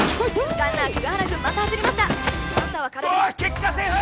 ランナー久我原くんまた走りましたよし結果セーフ！